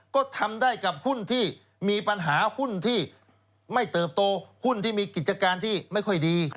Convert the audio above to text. ก็ทำได้กับหุ้นที่มีปัญหาหุ้นที่ไม่เติบโตหุ้นที่มีกิจการที่ไม่ค่อยดี